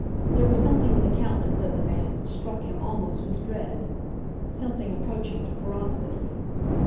There was something in the countenance of the man which struck him almost with dread, something approaching to ferocity.